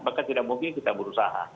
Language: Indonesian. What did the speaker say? maka tidak mungkin kita berusaha